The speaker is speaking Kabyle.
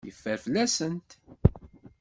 Yeffer fell-asent.